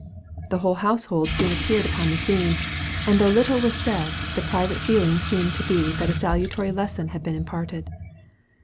The whole household soon appeared upon the scene, and though little was said, the private feeling seemed to be that a salutary lesson had been imparted.